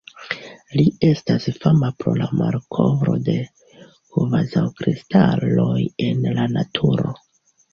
Li estas fama pro la malkovro de kvazaŭkristaloj en la naturo.